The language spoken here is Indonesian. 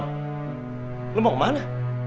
van lu mau kemana